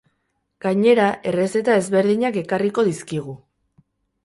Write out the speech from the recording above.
Gainera, errezeta ezberdinak ekarriko dizkigu.